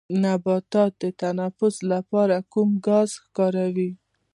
نباتات د تنفس لپاره کوم ګاز کاروي